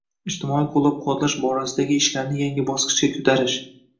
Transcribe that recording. ijtimoiy qo‘llab-quvvatlash borasidagi ishlarni yangi bosqichga ko'tarish